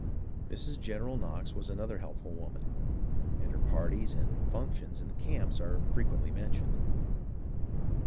Mrs. General Knox was another helpful woman, and her "parties " and "functions " in the camps are frequently mentioned.